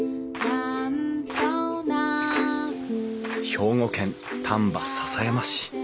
兵庫県丹波篠山市。